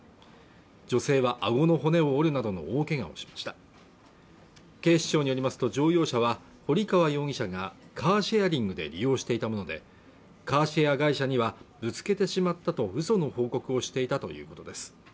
女性はあごの骨を折るなどの大けがをしました警視庁によりますと乗用車は堀河容疑者がカーシェアリングで利用していたものでカーシェア会社にはぶつけてしまったと嘘の報告をしていたということです